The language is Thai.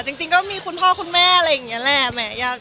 จริงก็มีคุณพ่อคุณแม่อะไรอย่างนี้แหละ